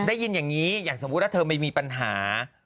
ได้ยินอย่างนี้อย่างสมมุติว่าเธอไม่มีปัญหา